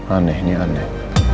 aneh ini aneh